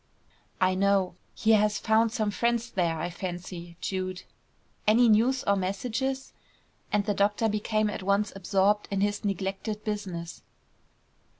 "I know. He has found some friends there, I fancy, Jude. Any news or messages?" and the doctor became at once absorbed in his neglected business.